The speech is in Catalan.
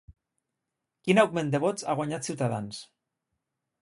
Quin augment de vots ha guanyat Ciutadans?